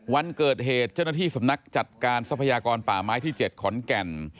วันเกิดเหตุเจ้าหน้าที่สำนักจัดการทรัพยากรป่าไม้ที่๗ขอนแก่น